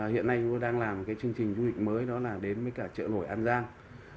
hiện nay đang làm chương trình du lịch mới đó là đến cả chợ nổi an giang